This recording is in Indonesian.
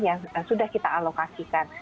yang sudah kita alokasikan